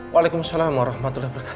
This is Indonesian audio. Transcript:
waalaikumsalam warahmatullahi wabarakatuh